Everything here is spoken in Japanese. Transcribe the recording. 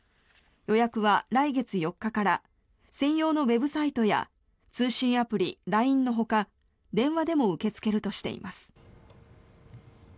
予約は来月４日から専用のウェブサイトや通信アプリ、ＬＩＮＥのほか電話でも受け付けるとしています。